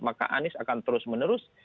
maka anies akan terus menerus